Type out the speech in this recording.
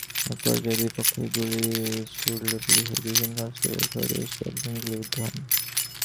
একপর্যায়ে দুই পক্ষই গুলি ছুড়লে পুলিশের দুজন কনস্টেবলসহ বেশ কয়েকজন গুলিবিদ্ধ হন।